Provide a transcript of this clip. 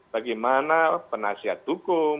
bagaimana penasihat hukum